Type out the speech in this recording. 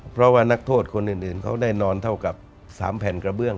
เพราะว่านักโทษคนอื่นเขาได้นอนเท่ากับ๓แผ่นกระเบื้อง